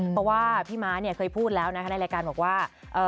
เพราะว่าพี่ม้าเนี่ยเคยพูดแล้วนะคะในรายการบอกว่า